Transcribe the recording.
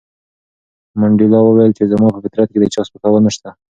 منډېلا وویل چې زما په فطرت کې د چا سپکول نشته.